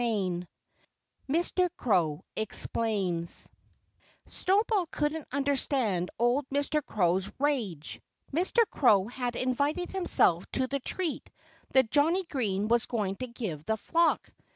VI MR. CROW EXPLAINS Snowball couldn't understand old Mr. Crow's rage. Mr. Crow had invited himself to the treat that Johnnie Green was going to give the flock.